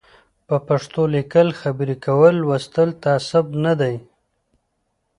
په پښتو لیکل خبري کول لوستل تعصب نه دی